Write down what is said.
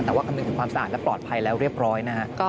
แต่ว่าคำนึงถึงความสะอาดและปลอดภัยแล้วเรียบร้อยนะฮะ